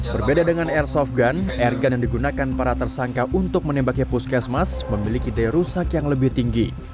berbeda dengan airsoft gun airgun yang digunakan para tersangka untuk menembaki puskesmas memiliki daya rusak yang lebih tinggi